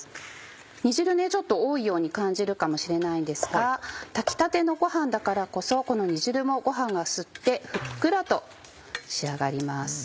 煮汁ちょっと多いように感じるかもしれないですが炊きたてのご飯だからこそこの煮汁もご飯が吸ってふっくらと仕上がります。